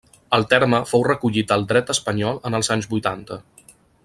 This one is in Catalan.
El terme fou recollit al dret espanyol en els anys vuitanta.